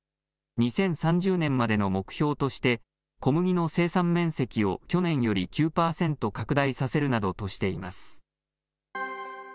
２０３０年までの目標として、小麦の生産面積を去年より９％拡大させるなどとしています。